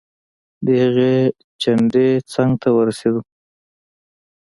د هغې چنډې څنګ ته ورسیدو.